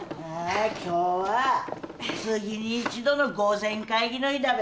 今日は月に一度の御前会議の日だべ。